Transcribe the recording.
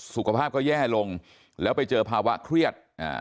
สุขภาพก็แย่ลงแล้วไปเจอภาวะเครียดอ่า